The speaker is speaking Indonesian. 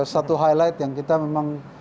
satu highlight yang kita memang